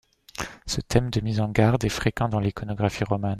Ce thème de mise en garde est fréquent dans l'iconographie romane.